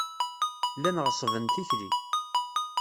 Llan ɣeṣṣben tikli.